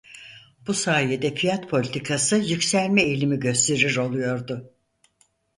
Bu sayede fiyat politikası yükselme eğilimi gösterir oluyordu.